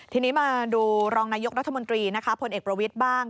ทีนี้มาดูรองนายกรัฐมนตรีนะคะพลเอกประวิทย์บ้าง